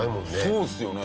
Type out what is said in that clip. そうですよね。